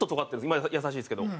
今は優しいですけど。